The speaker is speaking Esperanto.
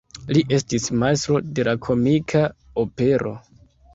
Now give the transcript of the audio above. Li estis majstro de la komika opero.